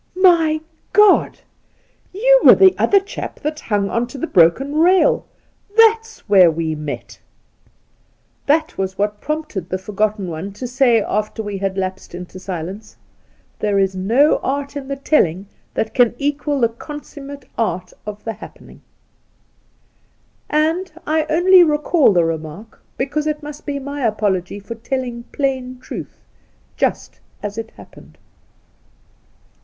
'My Godl you were the other, chap that hung on to the broken rail ! That's where we met 1' That was what prompted the forgotten one to say after, we had lapsed into sUenee :' There's no art in the Telling that can equal the consummate art of the Happening 1' And I only recall the remark because it must be The Outspan my apology for telling plain truth just as it happened.